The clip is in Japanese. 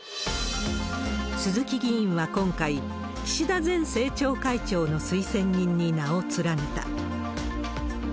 鈴木議員は今回、岸田前政調会長の推薦人に名を連ねた。